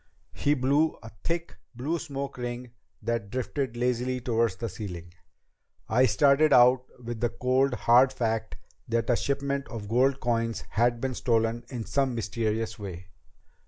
He blew a thick, blue smoke ring that drifted lazily toward the ceiling. "I started out with the cold, hard fact that a shipment of gold coins had been stolen in some mysterious way.